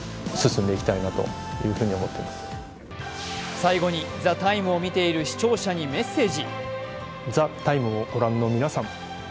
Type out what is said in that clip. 最後に「ＴＨＥＴＩＭＥ，」を見ている視聴者にメッセージ。